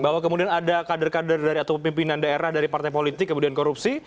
bahwa kemudian ada kader kader dari atau pimpinan daerah dari partai politik kemudian korupsi